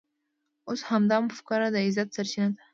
اوس همدا مفکوره د عزت سرچینه ده.